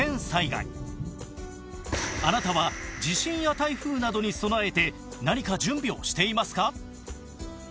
あなたは地震や台風などに備えて何か準備をしていますか？